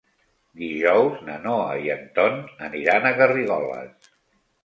Dijous na Noa i en Ton aniran a Garrigoles.